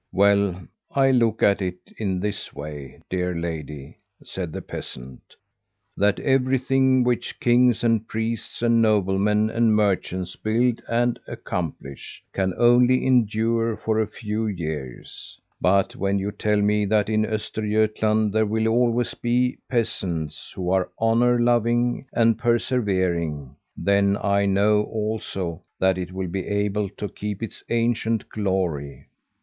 "'Well, I look at it in this way, dear lady,' said the peasant, 'that everything which kings and priests and noblemen and merchants build and accomplish, can only endure for a few years. But when you tell me that in Östergötland there will always be peasants who are honour loving and persevering, then I know also that it will be able to keep its ancient glory.